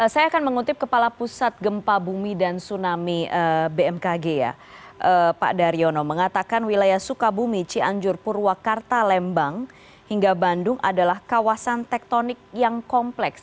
saya akan mengutip kepala pusat gempa bumi dan tsunami bmkg ya pak daryono mengatakan wilayah sukabumi cianjur purwakarta lembang hingga bandung adalah kawasan tektonik yang kompleks